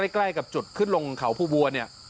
ใกล้กับจุดขึ้นลงเขาภูวัวเนี่ย